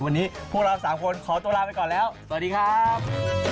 วันนี้พวกเรา๓คนขอตัวลาไปก่อนแล้วสวัสดีครับ